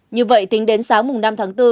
như vậy tính đến sáng năm tháng bốn